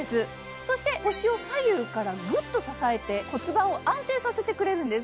そして、腰を左右からグッと支えて骨盤を安定させてくれるんです。